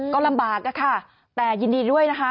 ก็ลำบากนะคะแต่ยินดีด้วยนะคะ